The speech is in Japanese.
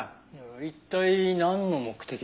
一体なんの目的で。